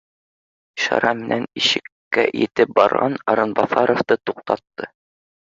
Ишара менән ишеккә етеп барған Арынбаҫаровты туҡтатты: